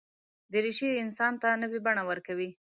دریشي انسان ته نوې بڼه ورکوي.